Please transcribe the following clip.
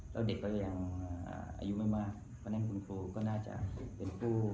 แล้วเด็กก็ยังอายุไม่มากเพราะฉะนั้นคุณครูก็น่าจะเป็นผู้